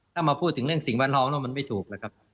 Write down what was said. ถ้ามาพูดเรื่องสิ่งวัดร้องเอาจะไม่ถูก